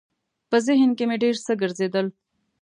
په ذهن کې مې ډېر څه ګرځېدل.